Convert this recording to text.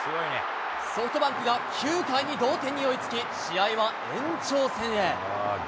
ソフトバンクが９回に同点に追いつき、試合は延長戦へ。